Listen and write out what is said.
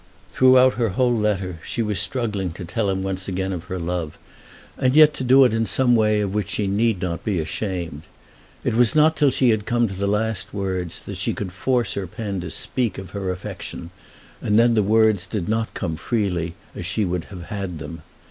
Throughout her whole letter she was struggling to tell him once again of her love, and yet to do it in some way of which she need not be ashamed. It was not till she had come to the last words that she could force her pen to speak of her affection, and then the words did not come freely as she would have had them.